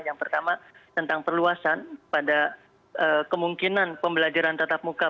yang pertama tentang perluasan pada kemungkinan pembelajaran tetap muka